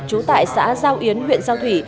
trú tại xã giao yến huyện giao thủy